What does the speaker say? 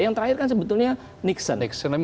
yang terakhir kan sebetulnya nixon ex